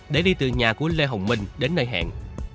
để đi từ nhà của lê hồng minh đến nơi hẹn